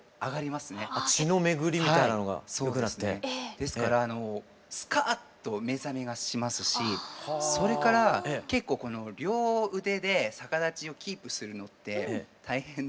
ですからスカッと目覚めがしますしそれから結構両腕で逆立ちをキープするのって大変で。